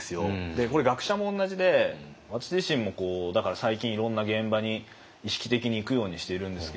これ学者も同じで私自身もだから最近いろんな現場に意識的に行くようにしているんですけれども。